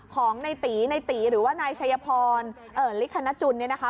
ของในตีในตีหรือว่านายชัยพรลิคณจุลเนี่ยนะคะ